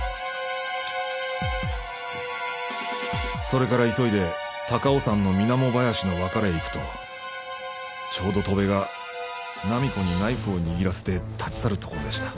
それから急いで高尾山の水面林の別れへ行くとちょうど戸辺が菜実子にナイフを握らせて立ち去るところでした。